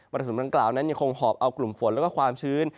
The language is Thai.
สุมดังกล่าวนั้นยังคงหอบเอากลุ่มฝนแล้วก็ความชื้น